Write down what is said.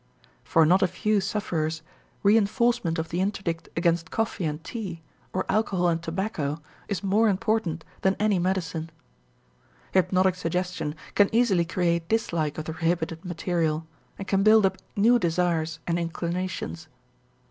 For not a few sufferers, reënforcement of the interdict against coffee and tea or alcohol and tobacco is more important than any medicine. Hypnotic suggestion can easily create dislike of the prohibited material and can build up new desires and inclinations.